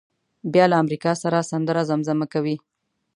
بیا له امریکا سره سندره زمزمه کوي.